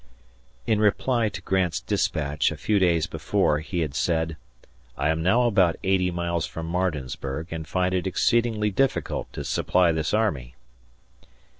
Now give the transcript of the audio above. In reply to Grant's dispatch a few days before he had said, "I am now about eighty miles from Martinsburg, and find it exceedingly difficultto supply this army."